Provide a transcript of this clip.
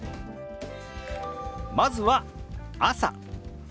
まずは「朝」。